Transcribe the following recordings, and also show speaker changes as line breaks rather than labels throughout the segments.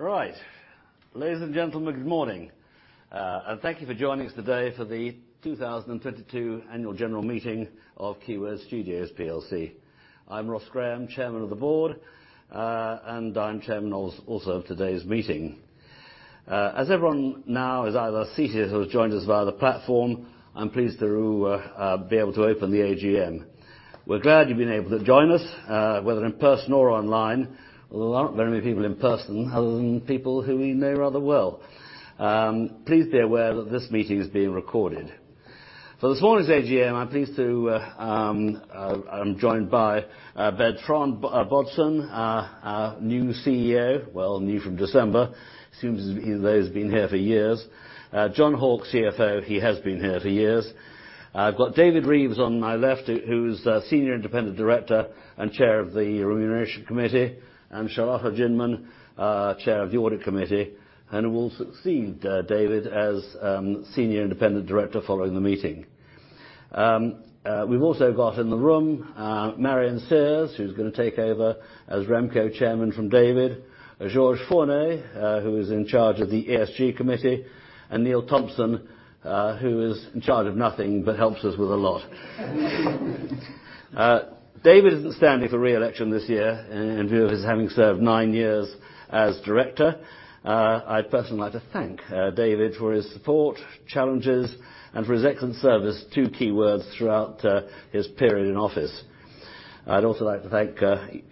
Right. Ladies and gentlemen, good morning. Thank you for joining us today for the 2022 Annual General Meeting of Keywords Studios PLC. I'm Ross Graham, Chairman of the Board, and I'm Chairman also of today's meeting. As everyone now is either seated who has joined us via the platform, I'm pleased to be able to open the AGM. We're glad you've been able to join us, whether in person or online. There aren't very many people in person other than people who we know rather well. Please be aware that this meeting is being recorded. For this morning's AGM, I'm joined by Bertrand Bodson, our new CEO, well, new from December. Seems as though he's been here for years. Jon Hauck, CFO, he has been here for years. I've got David Reeves on my left, who's Senior Independent Director and Chair of the Remuneration Committee, and Charlotta Ginman, Chair of the Audit Committee, and will succeed David as Senior Independent Director following the meeting. We've also got in the room Marion Sears, who's gonna take over as RemCo Chairman from David, Georges Fornay, who is in charge of the ESG committee, and Neil Thompson, who is in charge of nothing but helps us with a lot. David isn't standing for re-election this year in view of his having served nine years as director. I'd personally like to thank David for his support, challenges, and for his excellent service to Keywords throughout his period in office. I'd also like to thank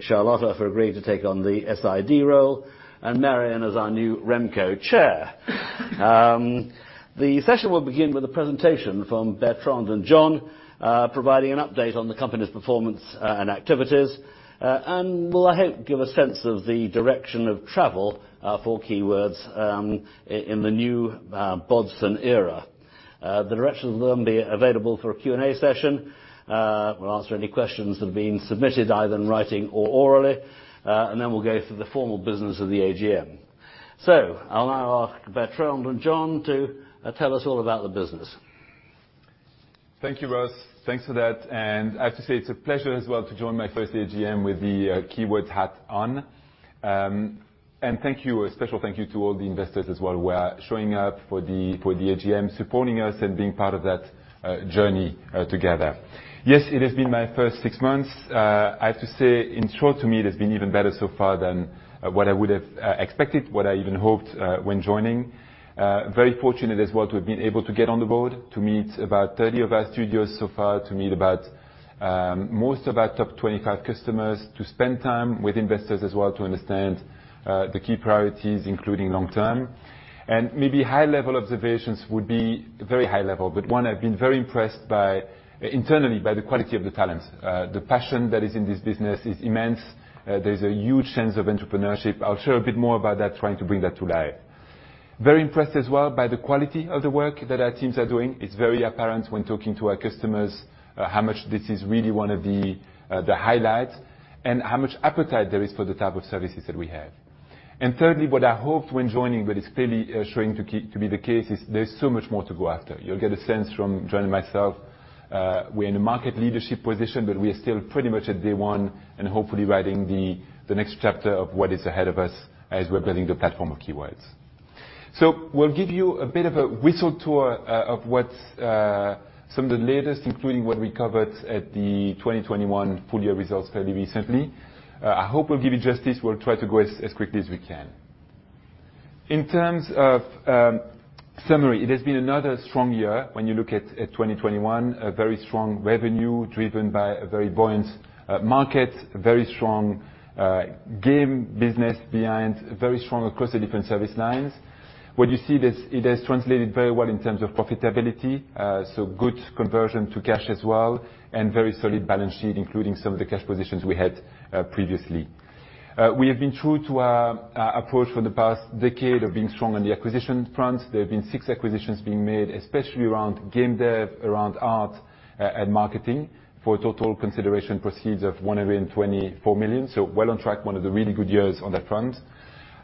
Charlotta for agreeing to take on the SID role and Marion as our new RemCo chair. The session will begin with a presentation from Bertrand and Jon, providing an update on the company's performance and activities, and will, I hope, give a sense of the direction of travel for Keywords in the new Bodson era. The directors will then be available for a Q&A session. We'll answer any questions that have been submitted either in writing or orally, and then we'll go through the formal business of the AGM. I'll now ask Bertrand and Jon to tell us all about the business.
Thank you, Ross. Thanks for that. I have to say it's a pleasure as well to join my first AGM with the Keywords hat on. Thank you, a special thank you to all the investors as well who are showing up for the AGM, supporting us and being part of that journey together. Yes, it has been my first six months. I have to say, in short, to me, it has been even better so far than what I would have expected, what I even hoped when joining. Very fortunate as well to have been able to get on the board to meet about 30 of our studios so far, to meet about most of our top 25 customers, to spend time with investors as well to understand the key priorities including long-term. Maybe high level observations would be very high level, but one, I've been very impressed by internally by the quality of the talents. The passion that is in this business is immense. There's a huge sense of entrepreneurship. I'll share a bit more about that, trying to bring that to life. Very impressed as well by the quality of the work that our teams are doing. It's very apparent when talking to our customers, how much this is really one of the highlights and how much appetite there is for the type of services that we have. Thirdly, what I hoped when joining, but it's clearly, showing to be the case, is there's so much more to go after. You'll get a sense from Jon and myself. We're in a market leadership position, but we are still pretty much at day one and hopefully writing the next chapter of what is ahead of us as we're building the platform of Keywords. We'll give you a bit of a whistle tour of what's some of the latest, including what we covered at the 2021 full year results fairly recently. I hope we'll give you justice. We'll try to go as quickly as we can. In terms of summary, it has been another strong year when you look at 2021. A very strong revenue driven by a very buoyant market, a very strong game business behind, very strong across the different service lines. What you see is, it has translated very well in terms of profitability, so good conversion to cash as well, and very solid balance sheet, including some of the cash positions we had, previously. We have been true to our approach for the past decade of being strong on the acquisition front. There have been six acquisitions being made, especially around game dev, around art, and marketing for total consideration proceeds of 124 million. Well on track, one of the really good years on that front.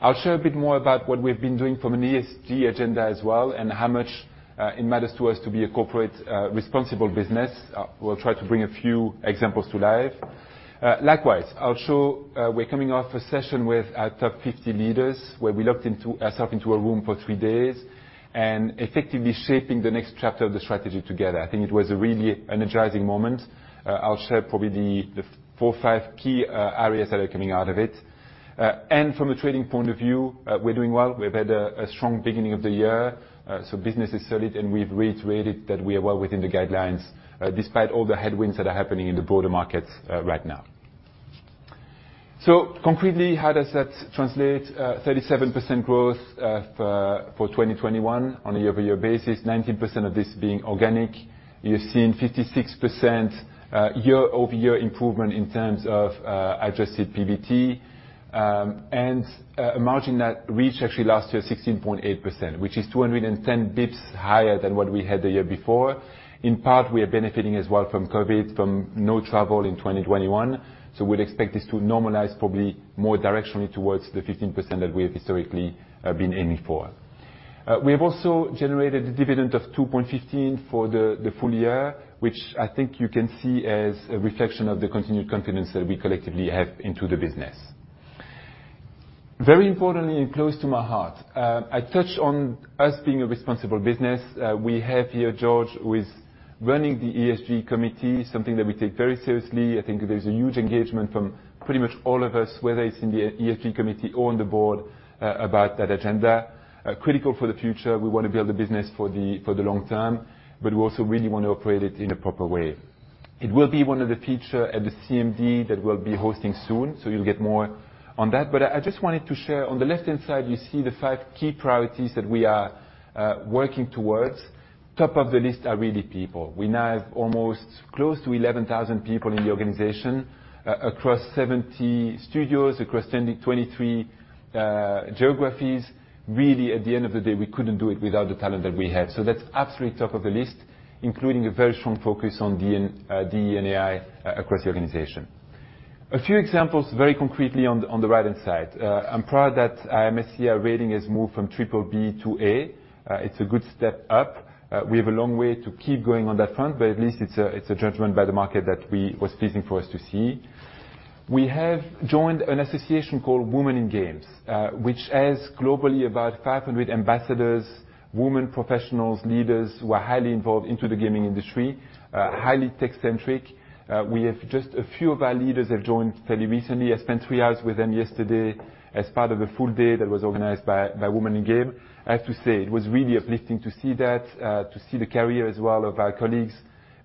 I'll share a bit more about what we've been doing from an ESG agenda as well, and how much it matters to us to be a corporate responsible business. We'll try to bring a few examples to life. Likewise, I'll show, we're coming off a session with our top 50 leaders, where we locked ourselves into a room for three days and effectively shaping the next chapter of the strategy together. I think it was a really energizing moment. I'll share probably the four or five key areas that are coming out of it. From a trading point of view, we're doing well. We've had a strong beginning of the year, so business is solid, and we've reiterated that we are well within the guidelines, despite all the headwinds that are happening in the broader markets right now. Concretely, how does that translate? 37% growth for 2021 on a year-over-year basis, 19% of this being organic. You're seeing 56% year-over-year improvement in terms of adjusted PBT. A margin that reached actually last year 16.8%, which is 210 basis points higher than what we had the year before. In part, we are benefiting as well from COVID, from no travel in 2021, so we'd expect this to normalize probably more directionally towards the 15% that we have historically been aiming for. We have also generated a dividend of 2.15 for the full year, which I think you can see as a reflection of the continued confidence that we collectively have into the business. Very importantly and close to my heart, I touch on us being a responsible business. We have here Georges Fornay, who is running the ESG committee, something that we take very seriously. I think there's a huge engagement from pretty much all of us, whether it's in the ESG committee or on the board, about that agenda. Critical for the future, we wanna build a business for the long term, but we also really want to operate it in a proper way. It will be one of the features at the CMD that we'll be hosting soon, so you'll get more on that. I just wanted to share, on the left-hand side, you see the five key priorities that we are working towards. Top of the list are really people. We now have almost close to 11,000 people in the organization, across 70 studios, across 23 geographies. Really, at the end of the day, we couldn't do it without the talent that we have. That's absolutely top of the list, including a very strong focus on DE&I across the organization. A few examples, very concretely on the right-hand side. I'm proud that MSCI rating has moved from triple B to A. It's a good step up. We have a long way to keep going on that front, but at least it's a judgment by the market that was pleasing for us to see. We have joined an association called Women in Games, which has globally about 500 ambassadors, women professionals, leaders who are highly involved in the gaming industry, highly tech-centric. We have just a few of our leaders have joined fairly recently. I spent 3 hours with them yesterday as part of a full day that was organized by Women in Games. I have to say, it was really uplifting to see the career as well of our colleagues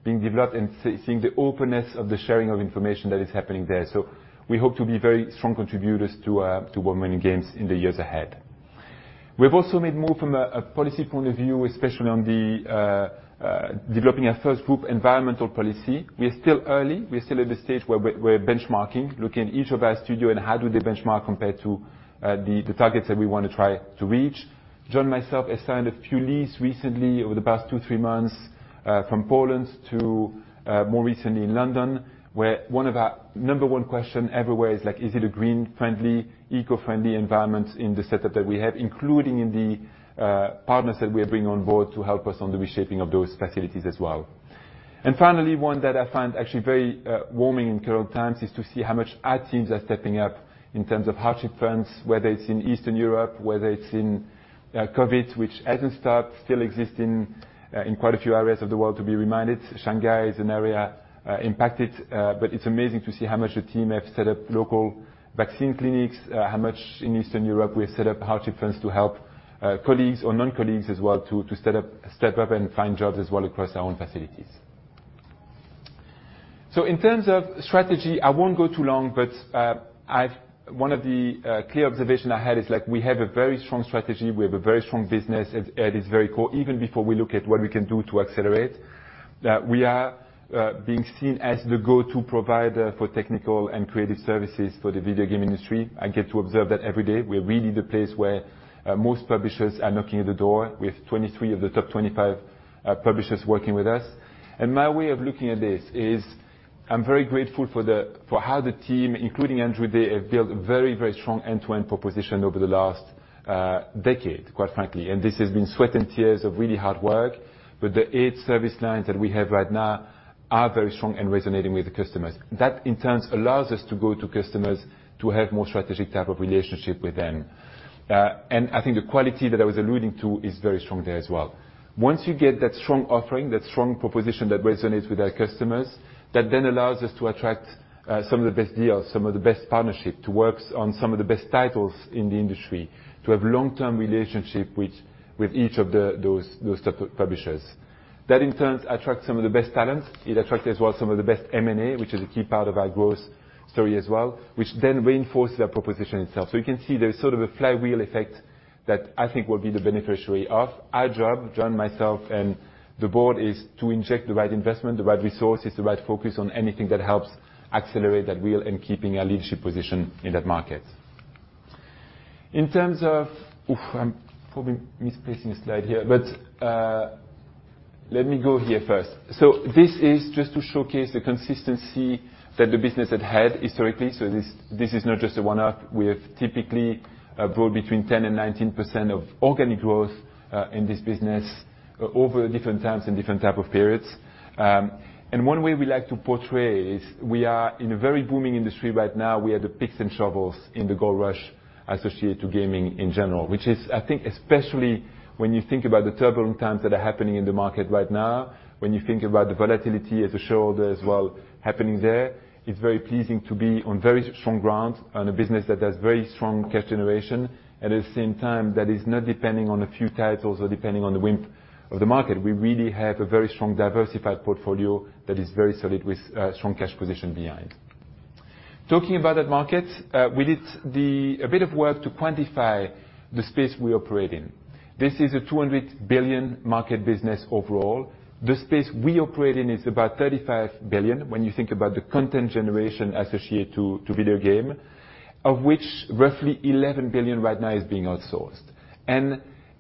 being developed and seeing the openness of the sharing of information that is happening there. We hope to be very strong contributors to Women in Games in the years ahead. We've also made more from a policy point of view, especially on the developing our first group environmental policy. We're still early. We're still at the stage where we're benchmarking, looking at each of our studio and how do they benchmark compared to the targets that we wanna try to reach. Jon, myself, has signed a few leases recently over the past two, three months, from Poland to, more recently in London, where one of our number one question everywhere is like, is it a green friendly, eco-friendly environment in the setup that we have, including in the partners that we are bringing on board to help us on the reshaping of those facilities as well. Finally, one that I find actually very warming in current times is to see how much our teams are stepping up in terms of hardship funds, whether it's in Eastern Europe, whether it's in COVID, which hasn't stopped, still exists in quite a few areas of the world. To be reminded, Shanghai is an area impacted, but it's amazing to see how much the team have set up local vaccine clinics, how much in Eastern Europe we have set up hardship funds to help colleagues or non-colleagues as well to step up and find jobs as well across our own facilities. In terms of strategy, I won't go too long, but I have one of the clear observations I had is like we have a very strong strategy, we have a very strong business at its very core, even before we look at what we can do to accelerate. We are being seen as the go-to provider for technical and creative services for the video game industry. I get to observe that every day. We're really the place where most publishers are knocking at the door with 23 of the top 25 publishers working with us. My way of looking at this is I'm very grateful for how the team, including Andrew, they have built a very, very strong end-to-end proposition over the last decade, quite frankly. This has been sweat and tears of really hard work. The eight service lines that we have right now are very strong and resonating with the customers. That, in turn, allows us to go to customers to have more strategic type of relationship with them. I think the quality that I was alluding to is very strong there as well. Once you get that strong offering, that strong proposition that resonates with our customers, that then allows us to attract some of the best deals, some of the best partnership, to work on some of the best titles in the industry, to have long-term relationship with each of those type of publishers. That, in turn, attracts some of the best talents. It attracts as well some of the best M&A, which is a key part of our growth story as well, which then reinforces our proposition itself. You can see there's sort of a flywheel effect that I think we'll be the beneficiary of. Our job, Jon, myself and the board, is to inject the right investment, the right resources, the right focus on anything that helps accelerate that wheel and keeping our leadership position in that market. In terms of... I'm probably misplacing a slide here, but, let me go here first. This is just to showcase the consistency that the business had had historically. This is not just a one-off. We have typically brought between 10% and 19% organic growth in this business over different times and different type of periods. One way we like to portray is we are in a very booming industry right now. We are the picks and shovels in the gold rush associated to gaming in general, which is, I think, especially when you think about the turbulent times that are happening in the market right now, when you think about the volatility as a shareholder as well happening there, it's very pleasing to be on very strong ground on a business that has very strong cash generation. At the same time, that is not depending on a few titles or depending on the whim of the market. We really have a very strong diversified portfolio that is very solid with strong cash position behind. Talking about that market, we did a bit of work to quantify the space we operate in. This is a 200 billion market business overall. The space we operate in is about 35 billion when you think about the content generation associated to video game, of which roughly 11 billion right now is being outsourced.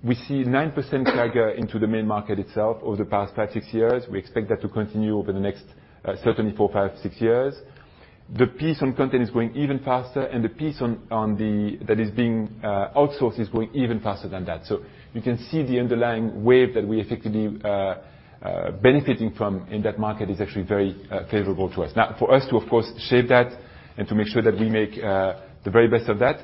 We see 9% CAGR into the main market itself over the past 5-6 years. We expect that to continue over the next certainly four to five years. The piece on content is going even faster, and the piece on that is being outsourced is growing even faster than that. You can see the underlying wave that we effectively benefiting from in that market is actually very favorable to us. For us to, of course, shape that and to make sure that we make the very best of that,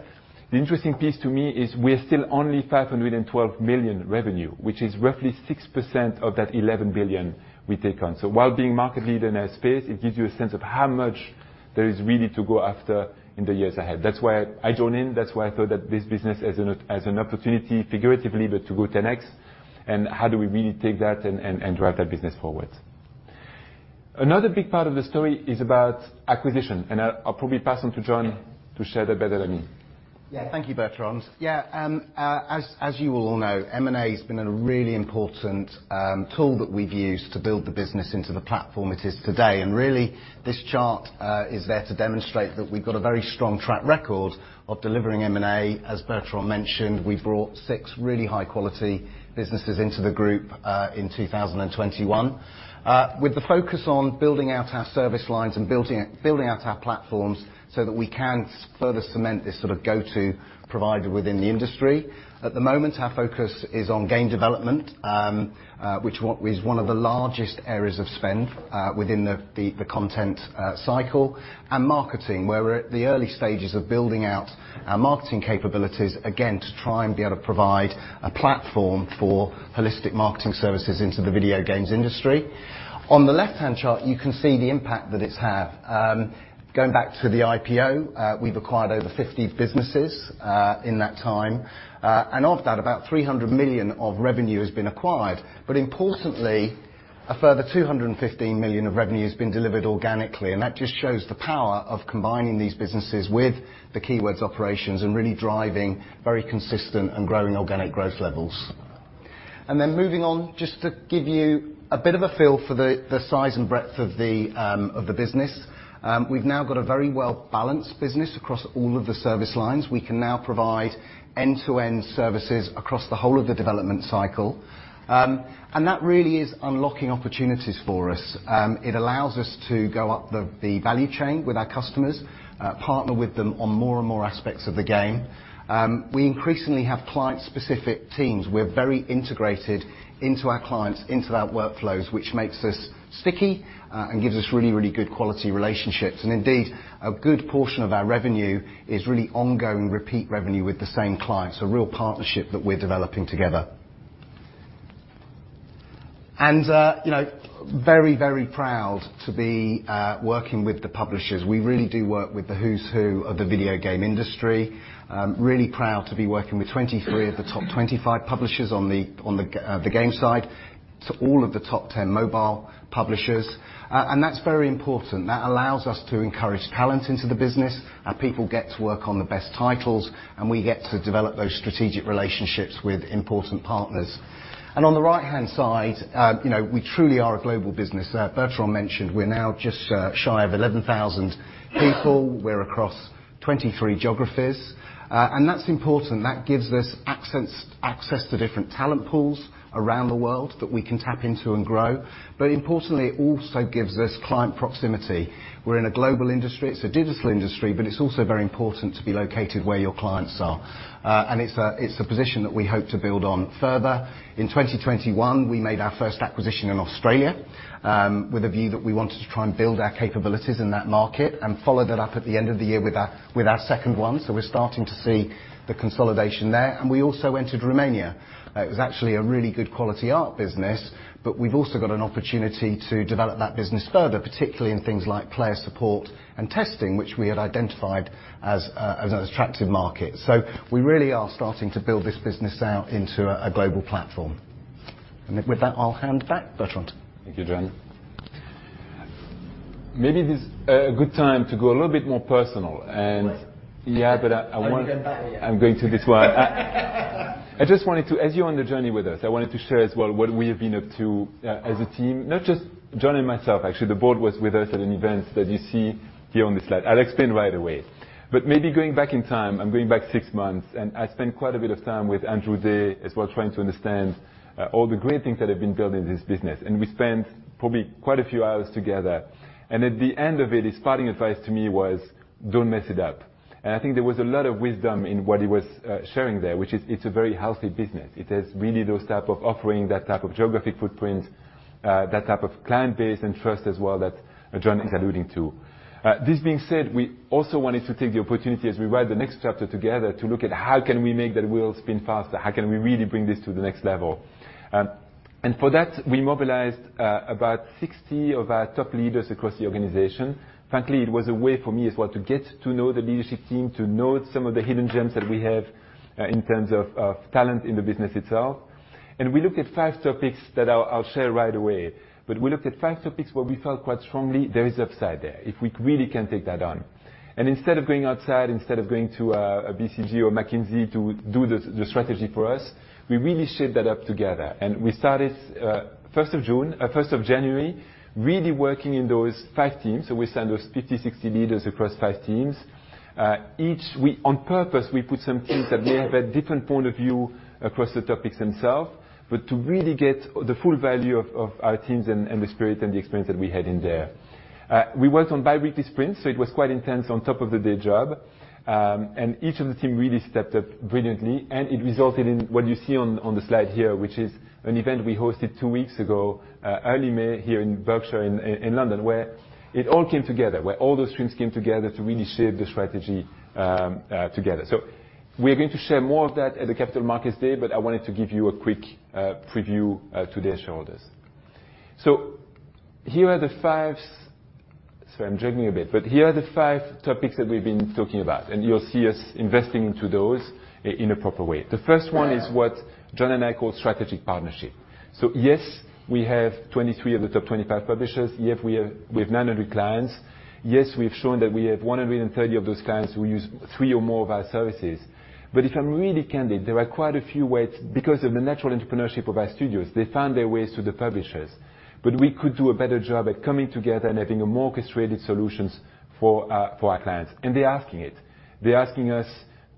the interesting piece to me is we're still only 512 million revenue, which is roughly 6% of that 11 billion we take on. While being market leader in our space, it gives you a sense of how much there is really to go after in the years ahead. That's why I joined in. That's why I thought that this business has an opportunity, figuratively, but to go 10X, and how do we really take that and drive that business forward. Another big part of the story is about acquisition, and I'll probably pass on to Jon Hauck to share that better than me.
Yeah. Thank you, Bertrand. Yeah, as you all know, M&A has been a really important tool that we've used to build the business into the platform it is today. Really, this chart is there to demonstrate that we've got a very strong track record of delivering M&A. As Bertrand mentioned, we brought six really high-quality businesses into the group in 2021. With the focus on building out our service lines and building out our platforms so that we can further cement this sort of go-to provider within the industry. At the moment, our focus is on game development, which is one of the largest areas of spend within the content cycle, and marketing, where we're at the early stages of building out our marketing capabilities, again, to try and be able to provide a platform for holistic marketing services into the video games industry. On the left-hand chart, you can see the impact that it's had. Going back to the IPO, we've acquired over 50 businesses in that time. Of that, about 300 million of revenue has been acquired. Importantly, a further 215 million of revenue has been delivered organically, and that just shows the power of combining these businesses with the Keywords operations and really driving very consistent and growing organic growth levels. Moving on, just to give you a bit of a feel for the size and breadth of the business, we've now got a very well-balanced business across all of the service lines. We can now provide end-to-end services across the whole of the development cycle. That really is unlocking opportunities for us. It allows us to go up the value chain with our customers, partner with them on more and more aspects of the game. We increasingly have client-specific teams. We're very integrated into our clients, into their workflows, which makes us sticky and gives us really good quality relationships. Indeed, a good portion of our revenue is really ongoing repeat revenue with the same clients, a real partnership that we're developing together. You know, very, very proud to be working with the publishers. We really do work with the who's who of the video game industry. Really proud to be working with 23 of the top 25 publishers on the games side, so all of the top 10 mobile publishers. That's very important. That allows us to encourage talent into the business. Our people get to work on the best titles, and we get to develop those strategic relationships with important partners. On the right-hand side, you know, we truly are a global business. Bertrand mentioned we're now just shy of 11,000 people. We're across 23 geographies. That's important. That gives us access to different talent pools around the world that we can tap into and grow. Importantly, it also gives us client proximity. We're in a global industry. It's a digital industry, but it's also very important to be located where your clients are. It's a position that we hope to build on further. In 2021, we made our first acquisition in Australia, with a view that we wanted to try and build our capabilities in that market and followed it up at the end of the year with our second one. We're starting to see the consolidation there. We also entered Romania. It was actually a really good quality art business, but we've also got an opportunity to develop that business further, particularly in things like player support and testing, which we had identified as an attractive market. We really are starting to build this business out into a global platform. With that, I'll hand back Bertrand.
Thank you, Jon. Maybe a good time to go a little bit more personal.
What?
Yeah, I want-
I wasn't going that way yet.
I just wanted to, as you're on the journey with us, I wanted to share as well what we have been up to, as a team, not just Jon Hauck and myself. Actually, the board was with us at an event that you see here on the slide. I'll explain right away. Maybe going back in time, I'm going back six months, and I spent quite a bit of time with Andrew Day as well, trying to understand all the great things that have been built in this business. We spent probably quite a few hours together. At the end of it, his parting advice to me was, "Don't mess it up." I think there was a lot of wisdom in what he was sharing there, which is it's a very healthy business. It has really those type of offering, that type of geographic footprint, that type of client base and trust as well that Jon is alluding to. This being said, we also wanted to take the opportunity as we write the next chapter together to look at how can we make that wheel spin faster? How can we really bring this to the next level? For that, we mobilized about 60 of our top leaders across the organization. Frankly, it was a way for me as well to get to know the leadership team, to know some of the hidden gems that we have in terms of of talent in the business itself. We looked at five topics that I'll share right away. We looked at five topics where we felt quite strongly there is upside there, if we really can take that on. Instead of going outside, instead of going to a BCG or McKinsey to do the strategy for us, we really shaped that up together. We started first of January, really working in those five teams. We sent those 50, 60 leaders across five teams. On purpose, we put some teams that may have a different point of view across the topics themselves, but to really get the full value of our teams and the spirit and the experience that we had in there. We worked on biweekly sprints, so it was quite intense on top of the day job. Each of the team really stepped up brilliantly, and it resulted in what you see on the slide here, which is an event we hosted two weeks ago, early May here in Berkshire in London, where it all came together, where all those streams came together to really shape the strategy together. We are going to share more of that at the Capital Markets Day, but I wanted to give you a quick preview today, shareholders. Here are the five topics that we've been talking about, and you'll see us investing into those in a proper way. The first one is what Jon and I call strategic partnership. Yes, we have 23 of the top 25 publishers. Yes, we have 900 clients. Yes, we've shown that we have 130 of those clients who use three or more of our services. If I'm really candid, there are quite a few ways, because of the natural entrepreneurship of our studios, they find their ways to the publishers. We could do a better job at coming together and having a more orchestrated solutions for our clients. They're asking it. They're asking us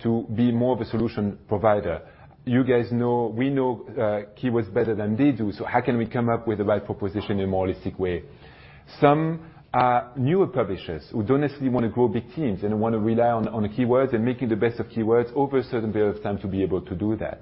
to be more of a solution provider. You guys know, we know, Keywords better than they do, so how can we come up with the right proposition in a more holistic way? Some are newer publishers who don't necessarily want to grow big teams and want to rely on Keywords and making the best of Keywords over a certain period of time to be able to do that.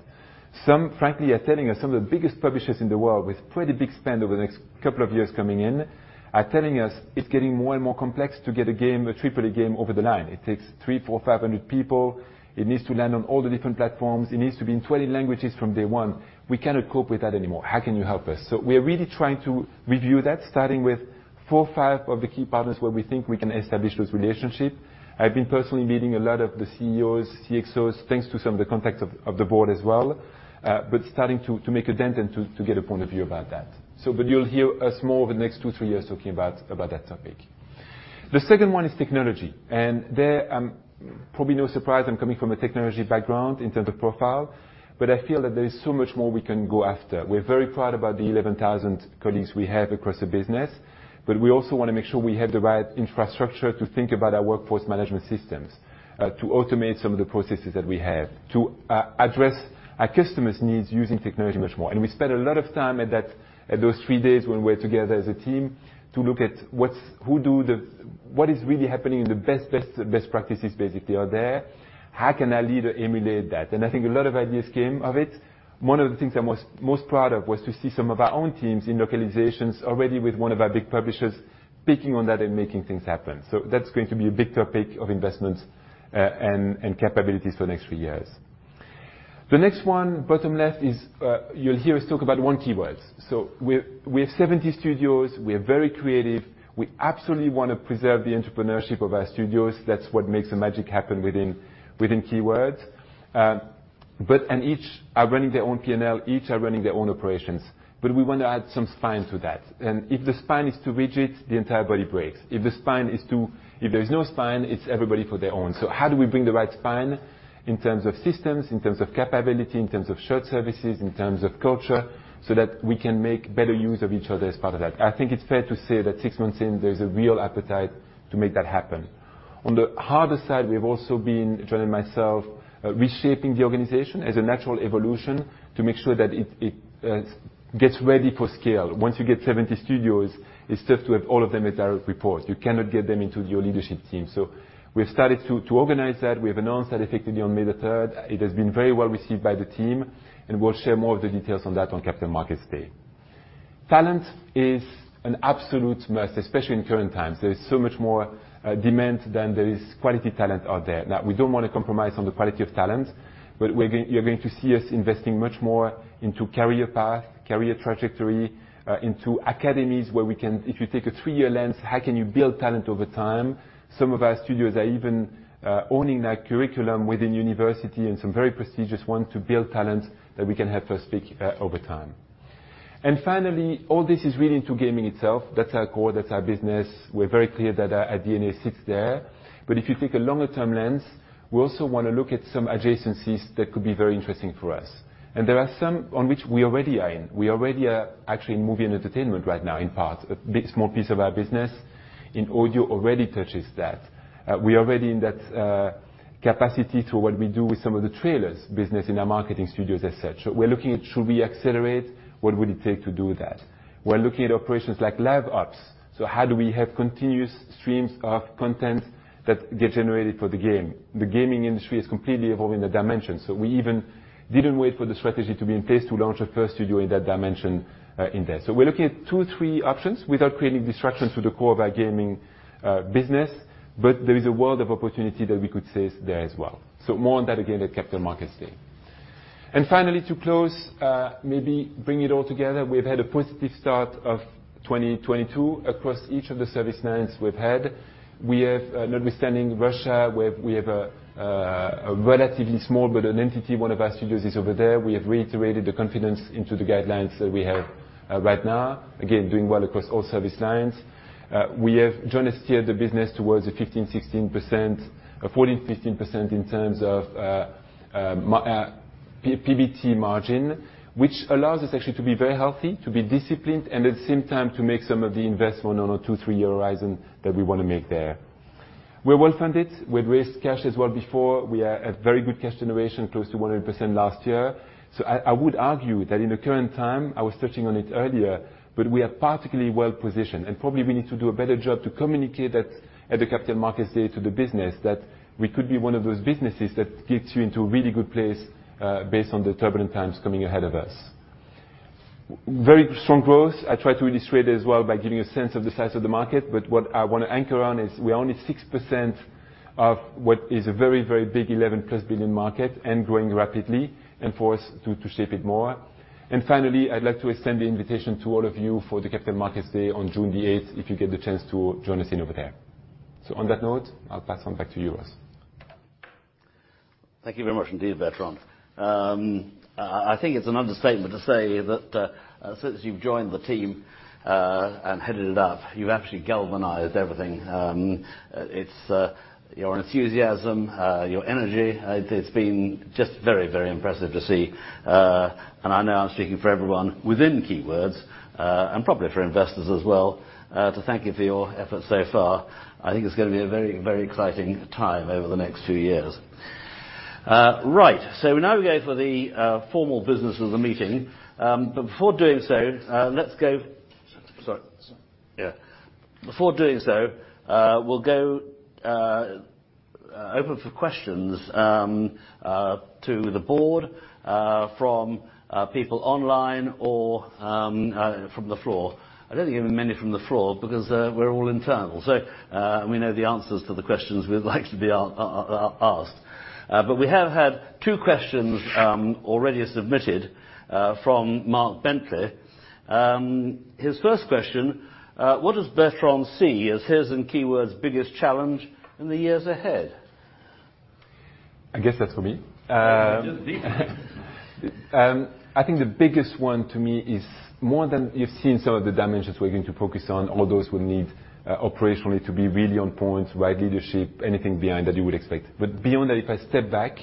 Some, frankly, are telling us some of the biggest publishers in the world with pretty big spend over the next couple of years coming in, are telling us it's getting more and more complex to get a game, a triple-A game, over the line. It takes 300, 400, 500 people. It needs to land on all the different platforms. It needs to be in 20 languages from day one. We cannot cope with that anymore. How can you help us? We are really trying to review that, starting with four or five of the key partners where we think we can establish those relationships. I've been personally meeting a lot of the CEOs, CXOs, thanks to some of the contacts of the board as well, but starting to make a dent and to get a point of view about that. You'll hear us more over the next two, three years talking about that topic. The second one is technology, and there, probably no surprise, I'm coming from a technology background in terms of profile, but I feel that there is so much more we can go after. We're very proud about the 11,000 colleagues we have across the business, but we also want to make sure we have the right infrastructure to think about our workforce management systems, to automate some of the processes that we have, to address our customers' needs using technology much more. We spend a lot of time at those three days when we're together as a team to look at what is really happening in the best practices, basically, are there. How can a leader emulate that? I think a lot of ideas came of it. One of the things I'm most proud of was to see some of our own teams in localizations already with one of our big publishers picking on that and making things happen. That's going to be a big topic of investments and capabilities for the next three years. The next one, bottom left, is. You'll hear us talk about one Keywords. We're 70 studios. We are very creative. We absolutely wanna preserve the entrepreneurship of our studios. That's what makes the magic happen within Keywords. But each are running their own P&L, each are running their own operations. We want to add some spine to that. If the spine is too rigid, the entire body breaks. If there is no spine, it's everybody for their own. How do we bring the right spine in terms of systems, in terms of capability, in terms of shared services, in terms of culture, so that we can make better use of each other as part of that? I think it's fair to say that six months in, there's a real appetite to make that happen. On the harder side, we've also been, Jon and myself, reshaping the organization as a natural evolution to make sure that it gets ready for scale. Once you get 70 studios, it's tough to have all of them as direct reports. You cannot get them into your leadership team. We've started to organize that. We have announced that effectively on May the third. It has been very well received by the team, and we'll share more of the details on that on Capital Markets Day. Talent is an absolute must, especially in current times. There is so much more demand than there is quality talent out there. Now, we don't want to compromise on the quality of talent, but you're going to see us investing much more into career path, career trajectory, into academies where we can, if you take a three-year lens, how can you build talent over time? Some of our studios are even owning that curriculum within university and some very prestigious ones to build talent that we can have for keeps over time. Finally, all this is really into gaming itself. That's our core, that's our business. We're very clear that our DNA sits there. If you take a longer term lens, we also wanna look at some adjacencies that could be very interesting for us. There are some on which we already are in. We already are actually in movie and entertainment right now, in part. A bit small piece of our business in audio already touches that. We are already in that capacity to what we do with some of the trailers business in our marketing studios, et cetera. We're looking at should we accelerate? What would it take to do that? We're looking at operations like live ops. How do we have continuous streams of content that get generated for the game? The gaming industry is completely evolving the dimension, so we even didn't wait for the strategy to be in place to launch a first studio in that dimension, in there. We're looking at two, three options without creating disruption to the core of our gaming business, but there is a world of opportunity that we could say is there as well. More on that again at Capital Markets Day. Finally, to close, maybe bring it all together, we've had a positive start of 2022 across each of the service lines we've had. We have, notwithstanding Russia, a relatively small but an entity, one of our studios is over there. We have reiterated the confidence in the guidance that we have right now. Again, doing well across all service lines. Jon has steered the business towards a 15-16%, a 14-15% in terms of PBT margin, which allows us actually to be very healthy, to be disciplined, and at the same time to make some of the investment on a 2-3-year horizon that we wanna make there. We're well-funded. We've raised cash as well before. We have very good cash generation, close to 100% last year. I would argue that in the current time, I was touching on it earlier, but we are particularly well-positioned, and probably we need to do a better job to communicate that at the Capital Markets Day to the business that we could be one of those businesses that gets you into a really good place, based on the turbulent times coming ahead of us. Very strong growth. I tried to illustrate it as well by giving a sense of the size of the market, but what I want to anchor on is we're only 6% of what is a very, very big 11+ billion market and growing rapidly and for us to shape it more. Finally, I'd like to extend the invitation to all of you for the Capital Markets Day on June the eighth, if you get the chance to join us over there. On that note, I'll pass on back to you, Ross.
Thank you very much indeed, Bertrand. I think it's an understatement to say that since you've joined the team and headed it up, you've actually galvanized everything. It's your enthusiasm, your energy, it's been just very, very impressive to see. I know I'm speaking for everyone within Keywords and probably for investors as well to thank you for your efforts so far. I think it's gonna be a very, very exciting time over the next few years. Right. We now go for the formal business of the meeting. Before doing so, let's go.
Sorry.
Yeah. Before doing so, we'll go open for questions to the board from people online or from the floor. I don't think we have many from the floor because we're all internal, so we know the answers to the questions we'd like to be asked. We have had two questions already submitted from Mark Bentley. His first question: What does Bertrand see as his and Keywords' biggest challenge in the years ahead?
I guess that's for me.
Just be for you.
I think the biggest one to me is more than you've seen some of the changes we're going to focus on, all those will need operationally to be really on point, right? Leadership, anything behind that you would expect. Beyond that, if I step back,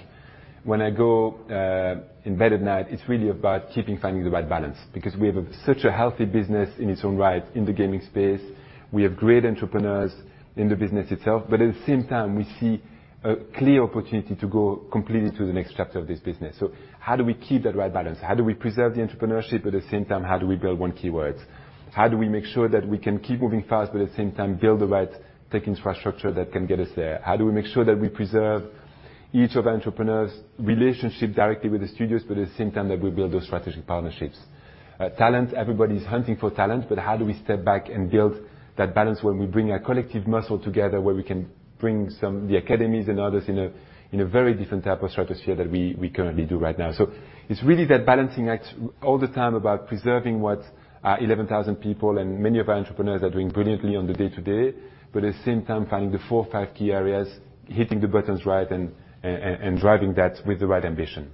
when I go to bed at night, it's really about keeping, finding the right balance because we have such a healthy business in its own right in the gaming space. We have great entrepreneurs in the business itself, but at the same time we see a clear opportunity to go completely to the next chapter of this business. How do we keep that right balance? How do we preserve the entrepreneurship, but at the same time, how do we build one Keywords? How do we make sure that we can keep moving fast, but at the same time, build the right tech infrastructure that can get us there? How do we make sure that we preserve each of our entrepreneurs' relationship directly with the studios, but at the same time that we build those strategic partnerships? Talent, everybody is hunting for talent, but how do we step back and build that balance when we bring our collective muscle together where we can bring the academies and others in a very different type of stratosphere that we currently do right now? It's really that balancing act all the time about preserving what 11,000 people and many of our entrepreneurs are doing brilliantly on the day-to-day, but at the same time, finding the four or five key areas, hitting the buttons right and driving that with the right ambition.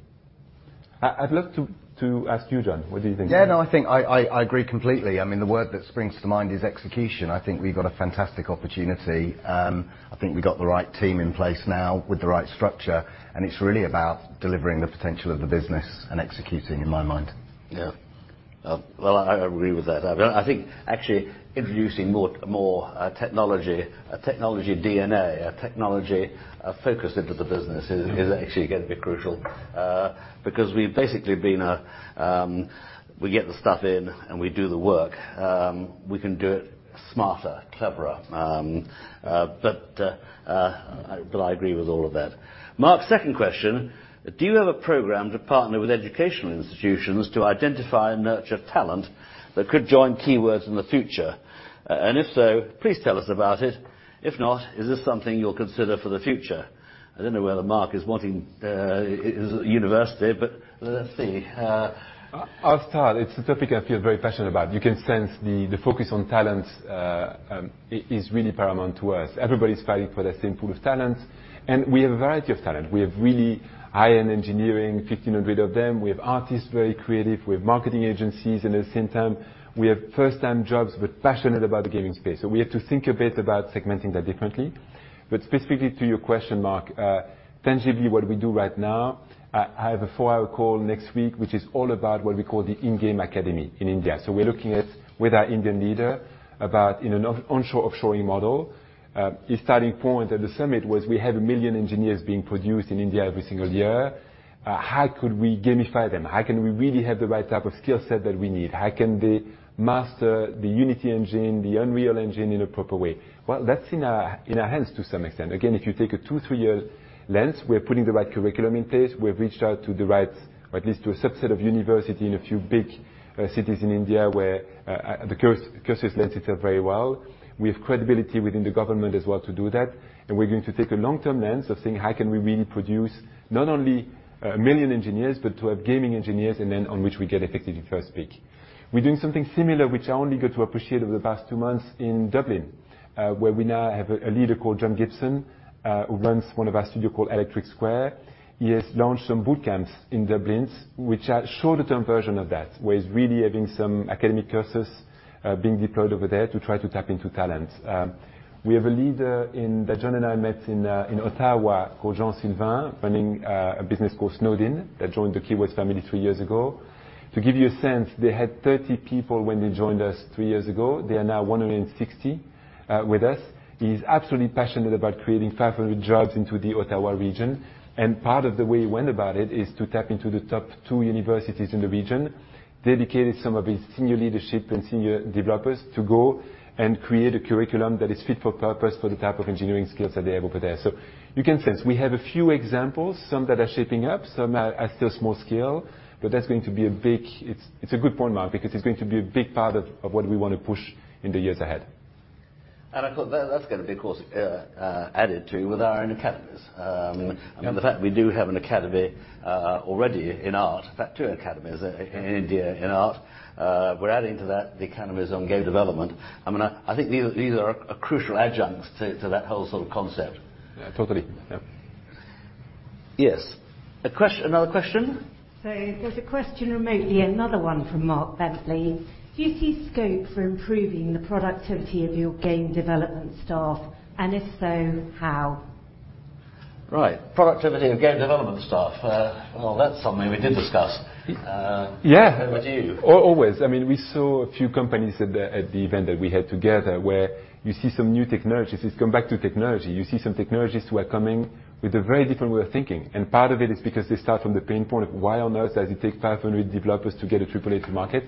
I'd love to ask you, Jon, what do you think?
Yeah, no, I think I agree completely. I mean, the word that springs to mind is execution. I think we've got a fantastic opportunity. I think we got the right team in place now with the right structure, and it's really about delivering the potential of the business and executing in my mind.
Yeah. Well, I agree with that. I think actually introducing more technology, a technology DNA, a technology focus into the business is actually going to be crucial, because we've basically been we get the stuff in and we do the work. We can do it smarter, cleverer, but I agree with all of that. Mark's second question. Do you have a program to partner with educational institutions to identify and nurture talent that could join Keywords in the future? And if so, please tell us about it. If not, is this something you'll consider for the future? I don't know whether Mark is wanting is a university, but let's see.
I'll start. It's a topic I feel very passionate about. You can sense the focus on talent is really paramount to us. Everybody is fighting for the same pool of talents, and we have a variety of talent. We have really high-end engineering, 1,500 of them. We have artists, very creative. We have marketing agencies, and at the same time, we have first-time jobs, but passionate about the gaming space. We have to think a bit about segmenting that differently. Specifically to your question, Mark, tangibly, what we do right now, I have a four-hour call next week, which is all about what we call the In-Game Academy in India. We're looking at with our Indian leader about an onshore offshoring model. His starting point at the summit was we have a million engineers being produced in India every single year. How could we gamify them? How can we really have the right type of skill set that we need? How can they master the Unity engine, the Unreal Engine in a proper way? Well, that's in our hands to some extent. Again, if you take a 2-3-year lens, we're putting the right curriculum in place. We've reached out to the right, or at least to a subset of universities in a few big cities in India where the course has lent itself very well. We have credibility within the government as well to do that. We're going to take a long-term lens of saying, how can we really produce not only 1 million engineers, but to have gaming engineers and then on which we get effectively first pick. We're doing something similar, which I only got to appreciate over the past 2 months in Dublin, where we now have a leader called Jon Gibson, who runs one of our studio called Electric Square. He has launched some boot camps in Dublin, which are short-term version of that, where he's really having some academic courses, being deployed over there to try to tap into talent. We have a leader that Jon and I met in Ottawa called Jean-Sylvan Sormany, running a business called Snowed In Studios, that joined the Keywords family 3 years ago. To give you a sense, they had 30 people when they joined us 3 years ago. They are now 160 with us. He's absolutely passionate about creating 500 jobs into the Ottawa region. Part of the way he went about it is to tap into the top 2 universities in the region, dedicated some of his senior leadership and senior developers to go and create a curriculum that is fit for purpose for the type of engineering skills that they have over there. You can sense we have a few examples, some that are shaping up, some are still small scale, but it's a good point, Mark, because it's going to be a big part of what we want to push in the years ahead.
I thought that's gonna be, of course, added to with our own academies. I mean, the fact we do have an academy already in art. In fact, two academies in India in art. We're adding to that the academies on game development. I mean, I think these are crucial adjuncts to that whole sort of concept.
Yeah. Totally. Yeah.
Yes. Another question?
There's a question remotely, another one from Mark Bentley. Do you see scope for improving the productivity of your game development staff? If so, how?
Right. Productivity of game development staff. That's something we did discuss.
Yeah.
Over to you.
Always. I mean, we saw a few companies at the event that we had together where you see some new technologies. This comes back to technology. You see some technologies who are coming with a very different way of thinking, and part of it is because they start from the pain point of why on Earth does it take 500 developers to get a triple-A to market?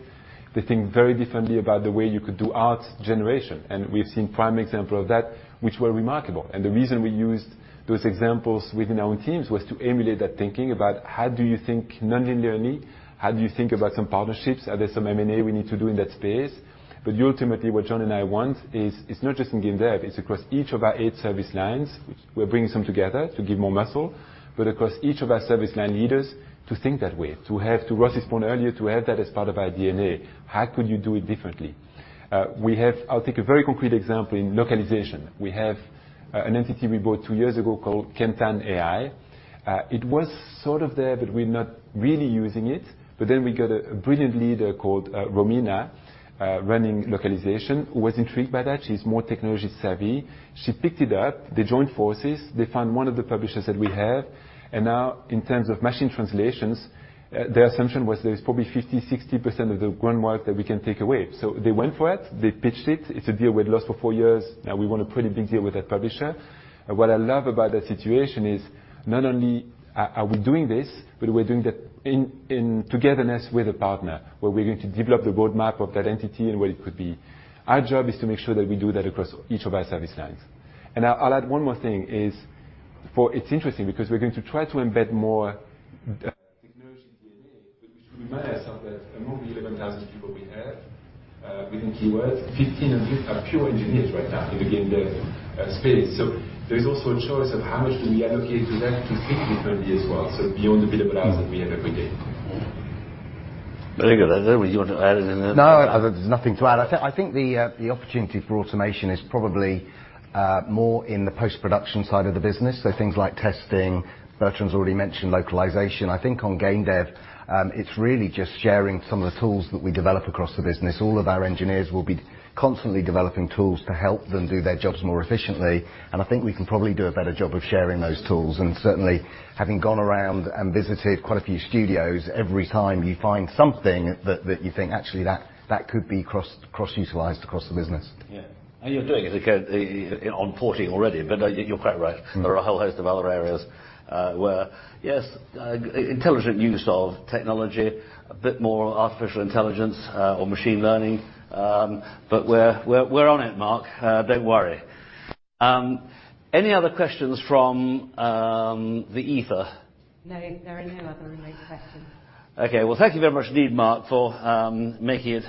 They think very differently about the way you could do art generation, and we've seen prime examples of that, which were remarkable. The reason we used those examples within our own teams was to emulate that thinking about how do you think nonlinearly? How do you think about some partnerships? Are there some M&A we need to do in that space? Ultimately, what Jon Hauck and I want is it's not just in game dev, it's across each of our eight service lines. We're bringing some together to give more muscle, but across each of our service line leaders to think that way. To have, to Ross Graham's point earlier, to have that as part of our DNA. How could you do it differently? I'll take a very concrete example in localization. We have an entity we bought two years ago called KantanAI. It was sort of there, but we're not really using it. We got a brilliant leader called Romina running localization who was intrigued by that. She's more technology-savvy. She picked it up. They joined forces. They found one of the publishers that we have. Now in terms of machine translations, their assumption was there's probably 50, 60% of the groundwork that we can take away. So they went for it. They pitched it. It's a deal we'd lost for four years. Now we won a pretty big deal with that publisher. What I love about that situation is not only are we doing this, but we're doing that in togetherness with a partner where we're going to develop the roadmap of that entity and where it could be. Our job is to make sure that we do that across each of our service lines. I'll add one more thing. It's interesting because we're going to try to embed more technology DNA, but we should remind ourselves that among the 11,000 people we have within Keywords, 1,500 are pure engineers right now in the game dev space. There's also a choice of how much do we allocate to that to think differently as well, so beyond the bit of browse that we have every day.
Very good. I don't know whether you want to add anything.
No, there's nothing to add. I think the opportunity for automation is probably more in the post-production side of the business, so things like testing. Bertrand's already mentioned localization. I think on game dev, it's really just sharing some of the tools that we develop across the business. All of our engineers will be constantly developing tools to help them do their jobs more efficiently, and I think we can probably do a better job of sharing those tools. Certainly, having gone around and visited quite a few studios, every time you find something that you think actually that could be cross-utilized across the business.
Yeah. You're doing it again on Porting already, but you're quite right.
Mm-hmm. There are a whole host of other areas where, yes, intelligent use of technology, a bit more on artificial intelligence or machine learning. We're on it, Mark. Don't worry. Any other questions from the ether?
No, there are no other remote questions.
Okay. Well, thank you very much indeed, Mark, for making it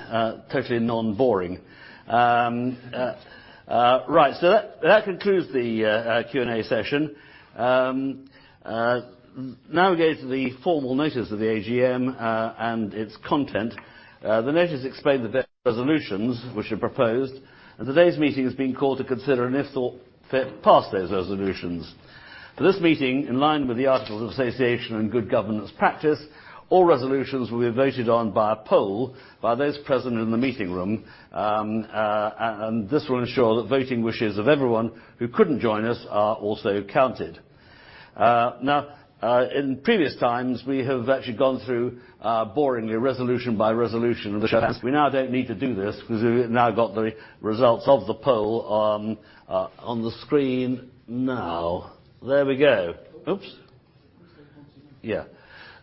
totally non-boring. Right. That concludes the Q&A session. Now we go to the formal notice of the AGM and its content. The notice explained the various resolutions which are proposed, and today's meeting has been called to consider and, if thought fit, pass those resolutions. This meeting, in line with the Articles of Association and good governance practice, all resolutions will be voted on via poll by those present in the meeting room. This will ensure that voting wishes of everyone who couldn't join us are also counted. Now, in previous times, we have actually gone through boringly resolution by resolution of the shareholders. We now don't need to do this because we've now got the results of the poll on the screen now. There we go. Oops. Yeah.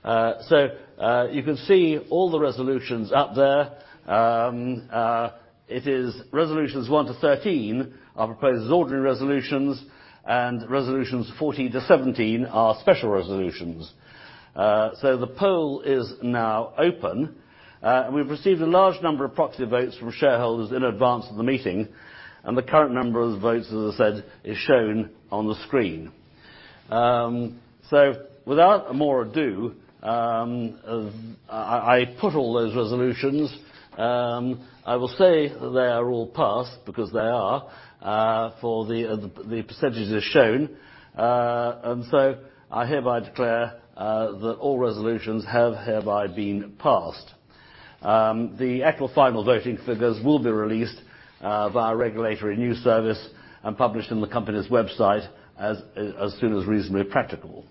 You can see all the resolutions up there. It is resolutions 1 to 13 are proposed as ordinary resolutions, and resolutions 14 to 17 are special resolutions. The poll is now open. We've received a large number of proxy votes from shareholders in advance of the meeting, and the current number of votes, as I said, is shown on the screen. Without more ado, I put all those resolutions. I will say they are all passed because they are for the percentages shown. I hereby declare that all resolutions have hereby been passed. The actual final voting figures will be released via regulatory news service and published on the company's website as soon as reasonably practicable.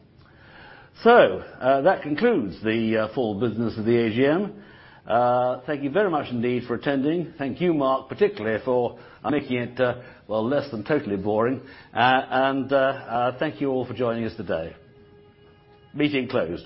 That concludes the full business of the AGM. Thank you very much indeed for attending. Thank you, Mark, particularly for making it well, less than totally boring. Thank you all for joining us today. Meeting closed.